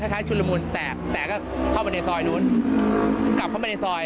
คล้ายชุนละมุนแต่แต่ก็เข้าไปในซอยนู้นกลับเข้ามาในซอย